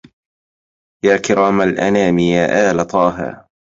يا كرام الانام يا آل طه